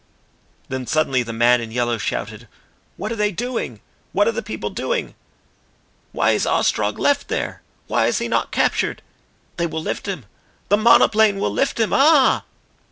Then suddenly the man in yellow shouted: "What are they doing? What are the people doing? Why is Ostrog left there? Why is he not captured? They will lift him the monoplane will lift him! Ah!"